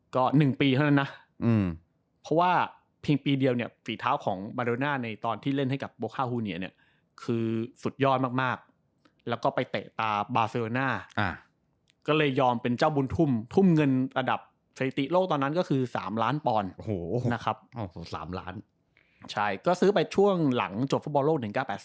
ก็๑ปีเท่านั้นนะเพราะว่าเพียงปีเดียวเนี่ยฝีเท้าของบาโรน่าในตอนที่เล่นให้กับโบค่าฮูเนียเนี่ยคือสุดยอดมากแล้วก็ไปเตะตาบาเซโรน่าก็เลยยอมเป็นเจ้าบุญทุ่มทุ่มเงินระดับสถิติโลกตอนนั้นก็คือ๓ล้านปอนด์นะครับ๓ล้านใช่ก็ซื้อไปช่วงหลังจบฟุตบอลโลก๑๙๘๐